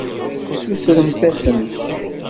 Sutremt-asent.